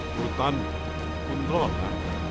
จูตันคุณรอบนะ